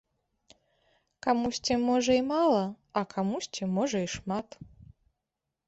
Камусьці можа і мала, а камусьці можа і шмат.